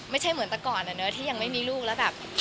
ไม่ใช่เหมือนแต่ก่อนที่ยังไม่มีลูกแล้วแบบ